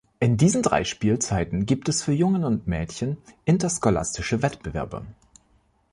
In diesen drei Spielzeiten gibt es für Jungen und Mädchen interscholastische Wettbewerbe.